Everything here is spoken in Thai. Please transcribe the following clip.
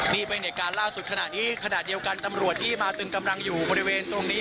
นี่เป็นเหตุการณ์ล่าสุดขณะนี้ขณะเดียวกันตำรวจที่มาตึงกำลังอยู่บริเวณตรงนี้